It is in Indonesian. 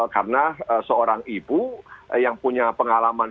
karena seorang ibu yang punya pengalaman